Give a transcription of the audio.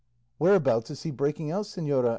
"Whereabouts is he breaking out, señora?"